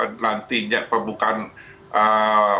apakah nantinya pembukaan israel